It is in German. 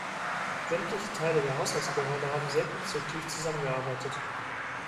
Sämtliche Teile der Haushaltsbehörde haben sehr konstruktiv zusammengearbeitet.